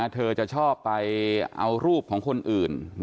เธอจะชอบไปเอารูปของคนอื่น